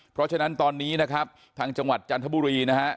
เพราะฉะนั้นตอนนี้นะครับทางจังหวัดจันทบุรีนะฮะ